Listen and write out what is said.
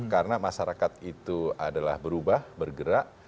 karena masyarakat itu adalah berubah bergerak